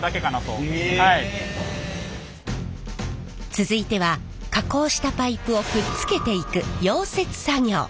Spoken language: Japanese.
続いては加工したパイプをくっつけていく溶接作業。